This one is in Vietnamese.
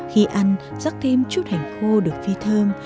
khi ăn rắc thêm chút hành khô được phi thơm